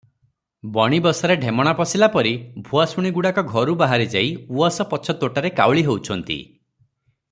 ବଣି ବସାରେ ଢେମଣା ପଶିଲାପରି ଭୁଆସୁଣୀଗୁଡ଼ାକ ଘରୁ ବାହାରିଯାଇ ଉଆସ ପଛ ତୋଟାରେ କାଉଳି ହେଉଛନ୍ତି ।